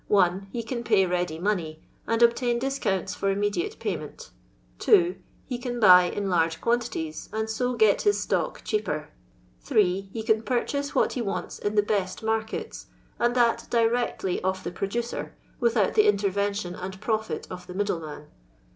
(1) He can pay ready money, and obtain discounts for ininieiliate payment. (2) lie can buy in larg'.^ (pian'.ities, and so get j his stock cheaper. (3) He c.ui purchase what he wants in the best markets, and that dircttly of the producer, without the iuterrention and profit of the middleman.